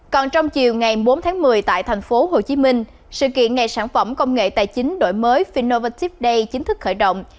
còn trong chiều ngày bốn tháng một mươi tại thành phố hồ chí minh sự kiện ngày sản phẩm công nghệ tài chính đổi mới innovative day chính thức khởi động